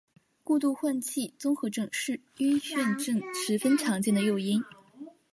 过度换气综合症是晕眩症十分常见的诱因。